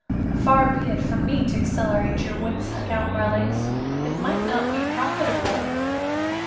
"Far be it from me to accelerate your wits, Count Marlanx. It might not be profitable."